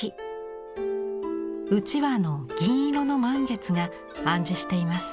うちわの銀色の満月が暗示しています。